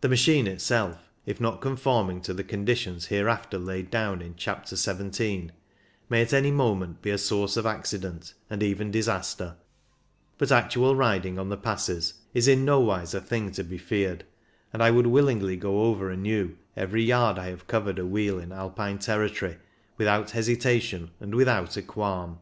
The machine itself, if not conforming to the conditions hereafter laid down in chapter xvii, may at any moment be a source of accident and even disaster; but actual riding on the passes is in nowise a thing to be feared, and I would willingly go over anew every yard I have covered awheel in Alpine territory, without hesitation and without a qualm.